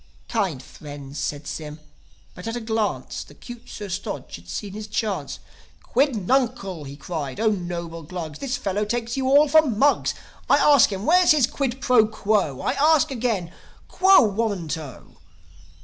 "Kind friends," said Sym ... But, at a glance, The 'cute Sir Stodge had seen his chance. "Quid nuncl" he cried. "O noble Glugs, This fellow takes you all for mugs. I ask him, where's his quid pro quo? I ask again, quo warranto?